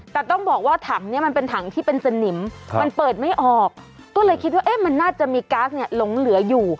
แต่ต้องบอกว่าถังเนี่ยมันเป็นถังที่เป็นสนิมมันเปิดไม่ออกก็เลยคิดว่ามันน่าจะมีก๊าซเนี่ยหลงเหลืออยู่